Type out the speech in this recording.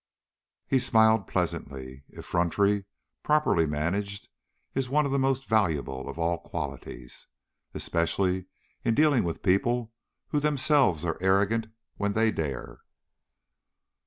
He smiled pleasantly. Effrontery, properly managed, is one of the most valuable of all qualities. Especially in dealing with people who themselves are arrogant when they dare.